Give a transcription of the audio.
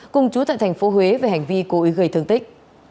cùng chú tại thành phố huế về hành vi cố ý gây thương tích